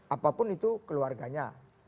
apapun itu keluarganya